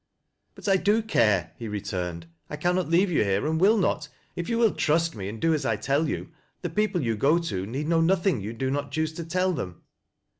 " But I do care !" he returned. " I cannot leave you here and will not. If you will trust me and do as I tell you, the people you go to need know nothing you do not choose to tell them."